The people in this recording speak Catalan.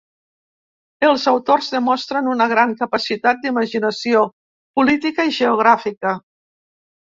Els autors demostren una gran capacitat d’imaginació política i geogràfica.